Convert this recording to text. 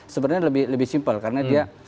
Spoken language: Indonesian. sebenarnya lebih simpel karena